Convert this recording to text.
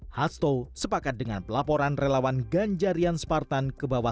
hasto sepakat dengan pelaporan relawan ganjarian spartan